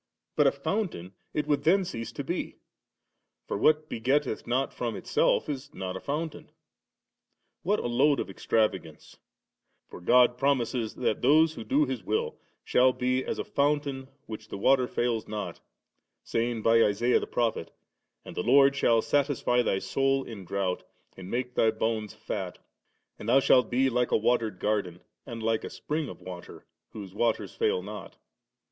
But a fountain it would then cease to be; for what begetteth not from itself, is not a fountain ^ What a load of extravagance ! for God promises that those who do His will shall be as a fountain which the water fails not, saying by Isaiah the prophet, *And the Lord shall satisfy thy soul in drought, and make thy bones fat ; and thou shalt be like a watered garden, and like a spring of water, whose waters fail not •.